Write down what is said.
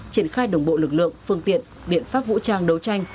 triển khai đồng bộ lực lượng phương tiện biện pháp vũ trang đấu tranh